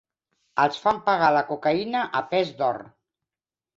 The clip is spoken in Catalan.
Els fan pagar la cocaïna a pes d'or.